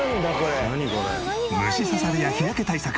虫刺されや日焼け対策